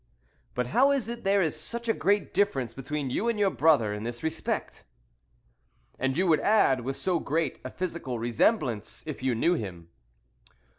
"But how is it there is such a great difference between you and your brother in this respect?" "And you would add with so great a physical resemblance, if you knew him."